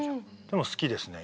でも好きですね